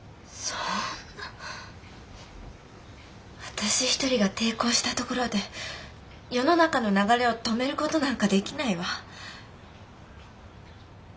私一人が抵抗したところで世の中の流れを止める事なんかできないわ。